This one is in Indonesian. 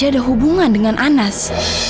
tidak ada hubungan dengan anas